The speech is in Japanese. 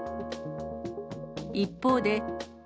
一方で。